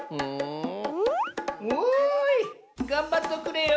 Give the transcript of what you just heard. おいがんばっとくれよ。